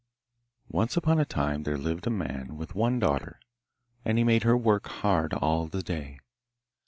Once upon a time there lived a man with one daughter and he made her work hard all the day.